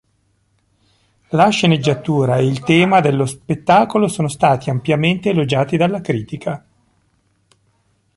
La sceneggiatura e il tema dello spettacolo sono stati ampiamente elogiati dalla critica.